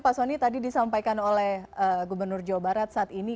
pak soni tadi disampaikan oleh gubernur jawa barat saat ini